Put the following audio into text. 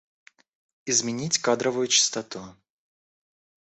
Изменить кадровую частоту